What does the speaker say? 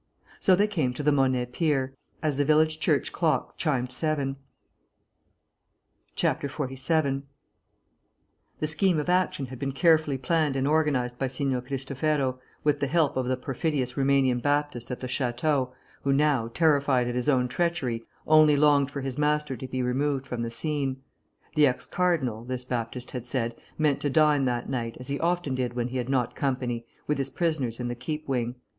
So they came to the Monet pier, as the village church clock chimed seven. 47 The scheme of action had been carefully planned and organised by Signor Cristofero, with the help of the perfidious Roumanian Baptist at the château, who now, terrified at his own treachery, only longed for his master to be removed from the scene. The ex cardinal, this Baptist had said, meant to dine that night, as he often did when he had not company, with his prisoners in the Keep Wing.